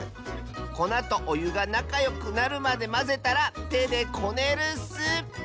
こなとおゆがなかよくなるまでまぜたらてでこねるッス！